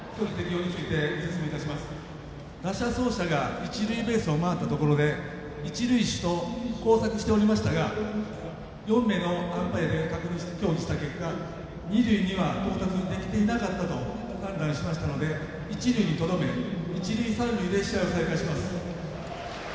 打者走者が一塁ベースを回ったところで一塁手と交錯しておりましたが４名のアンパイアと確認して協議した結果二塁に到達できていなかったと判断しましたので、一塁にとどめ一塁三塁で試合を再開します。